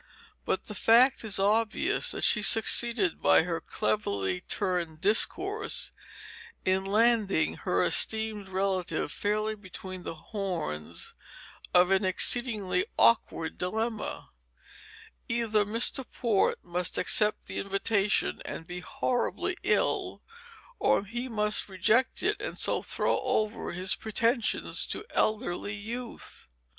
But the fact is obvious that she succeeded by her cleverly turned discourse in landing her esteemed relative fairly between the horns of an exceedingly awkward dilemma: either Mr. Port must accept the invitation and be horribly ill, or he must reject it, and so throw over his pretensions to elderly youth.